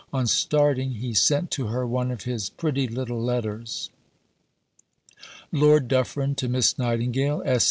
On starting he sent to her one of his pretty little letters: (_Lord Dufferin to Miss Nightingale.